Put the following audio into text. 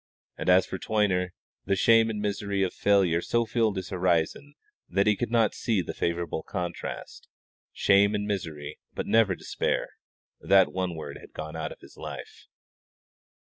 And as for Toyner, the shame and misery of failure so filled his horizon that he could not see the favourable contrast shame and misery, but never despair; that one word had gone out of his life.